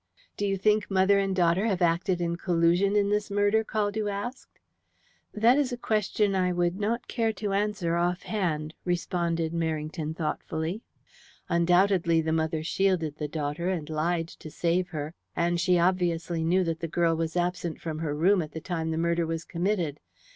"Do you think mother and daughter have acted in collusion in this murder?" Caldew asked. "That is a question I would not care to answer offhand," responded Merrington thoughtfully. "Undoubtedly the mother shielded the daughter and lied to save her, and she obviously knew that the girl was absent from her room at the time the murder was committed.